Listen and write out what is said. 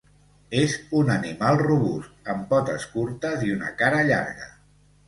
És un animal robust, amb potes curtes i una cara llarga.